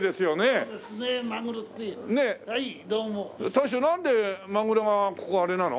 大将なんでまぐろがここあれなの？